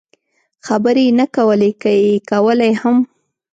خبرې یې نه کولې، که یې کولای هم.